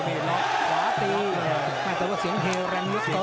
ขวาตีแต่ว่าเสียงเฮแรงลึกเกินนะ